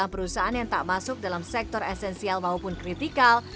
lima puluh sembilan perusahaan yang tak masuk dalam sektor esensial maupun kritikal